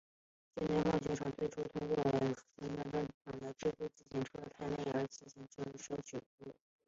近代化学厂最初通过向宗家橡胶厂制作自行车内胎的气门芯而获取收入。